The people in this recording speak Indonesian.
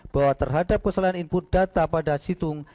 bahwa terhadap kesalahan input data pada situng